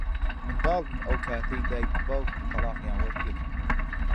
منداڵ بووم ئەو کاتەی دیک و باوکم تەڵاقیان وەرگرت.